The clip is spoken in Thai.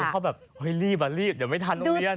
พ่อแบบรีบเดี๋ยวไม่ทันต้องเรียน